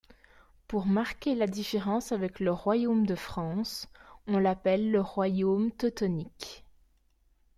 Pour marquer la différence avec le Royaume de France, on l'appelle Royaume teutonique.